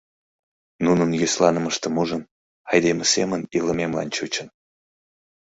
Нунын йӧсланымыштым ужын, айдеме семын илымемлан чучын.